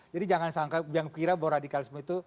jadi jangan sangka yang kira bahwa radikalisme itu